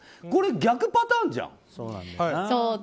これ、逆パターンじゃん。